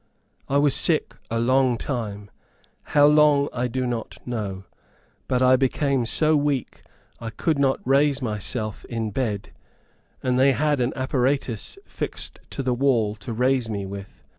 I was sick a long time; how long I do not know; but I became so weak I could not raise myself in bed, and they had an apparatus affixed to the wall to raise me with.